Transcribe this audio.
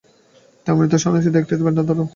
তিনি আমণ্ত্রিত সন্ন্যাসীদের একটি ভেন্ডারাও দেন।